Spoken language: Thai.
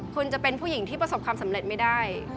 คุณจะเป็นผู้หญิงที่ประสบความสำเร็จไม่ได้